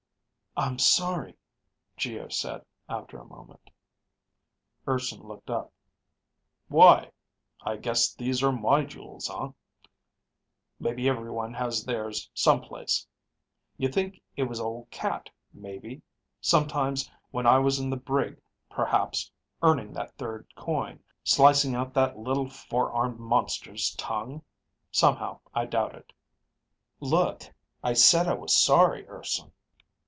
"I'm sorry," Geo said after a moment. Urson looked up. "Why? I guess these are my jewels, huh? Maybe everyone has theirs some place. You think it was old Cat, maybe, sometimes when I was in the brig, perhaps, earning that third coin, slicing out that little four armed monster's tongue? Somehow I doubt it." "Look, I said I was sorry, Urson."